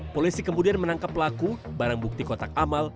polisi kemudian menangkap pelaku barang bukti kotak amal